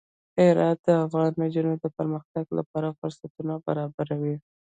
هرات د افغان نجونو د پرمختګ لپاره فرصتونه برابروي.